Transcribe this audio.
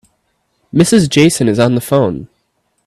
Mrs. Jason is on the phone.